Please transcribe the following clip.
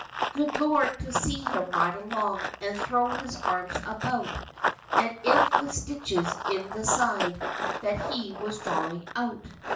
Good Lord! to see him ride along, And throw his arms about, As if with stitches in the side, That he was drawing out!